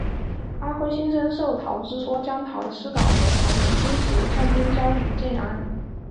阿辉先生受陶之托将陶的诗稿和年轻时的相片交给建安。